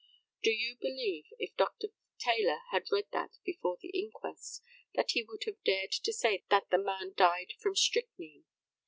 Do you believe, if Dr. Taylor had read that before the inquest, that he would have dared to say that the man died from strychnine?